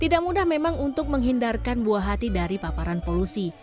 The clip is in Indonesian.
tidak mudah memang untuk menghindarkan buah hati dari paparan polusi